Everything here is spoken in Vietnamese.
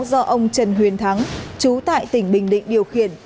do ông trần huyền thắng chú tại tỉnh bình định điều khiển